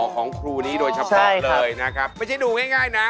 ของครูนี้โดยเฉพาะเลยนะครับไม่ใช่ดูง่ายนะ